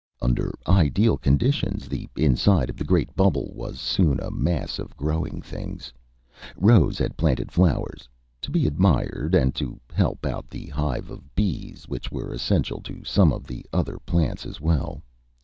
Under ideal conditions, the inside of the great bubble was soon a mass of growing things. Rose had planted flowers to be admired, and to help out the hive of bees, which were essential to some of the other plants, as well.